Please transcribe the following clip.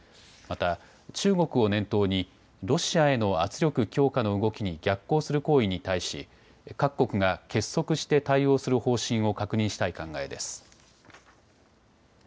また中国を念頭にロシアへの圧力強化の動きに逆行する行為に対し各国が結束して対応する方針を確認したい考えです。